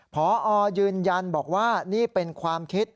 พอยืนยันบอกว่านี่เป็นความคิด